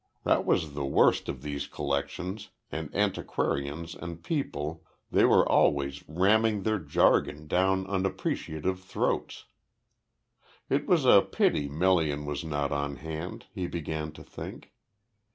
That was the worst of these collectors and antiquarians and people, they were always ramming their jargon down unappreciative throats. It was a pity Melian was not on hand, he began to think.